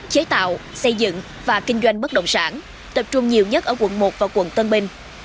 chế tạo xây dựng và kinh doanh bất động sản tập trung nhiều nhất ở quận một và quận tân bình